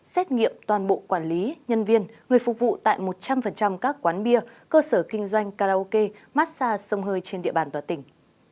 xét nghiệm toàn bộ quản lý nhân viên người phục vụ tại một trăm linh các quán bia cơ sở kinh doanh karaoke massage sông hơi trên địa bàn toàn tỉnh